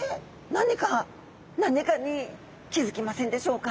何か何かに気付きませんでしょうか？